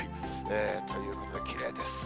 ということで、きれいです。